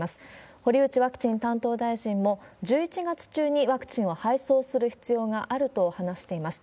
堀内ワクチン担当大臣も、１１月中にワクチンを配送する必要があると話しています。